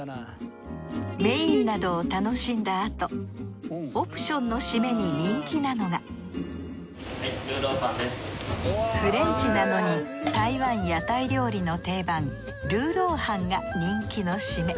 メインなどを楽しんだあとオプションの締めに人気なのがフレンチなのに台湾屋台料理の定番ルーロー飯が人気の締め。